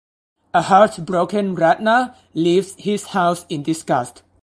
A heartbroken Ratna leaves his house in disgust.